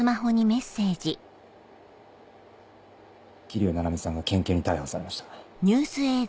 桐生菜々美さんが県警に逮捕されました。